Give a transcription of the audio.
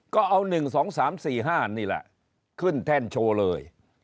ก็เอาหนึ่งสองสามสี่ห้านี่แหละขึ้นแท่นโชว์เลย